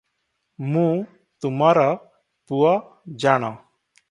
ମୁଁ ତୁମର ପୁଅ ଜାଣ ।